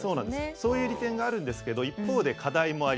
そういう利点があるんですけど一方で課題もあります。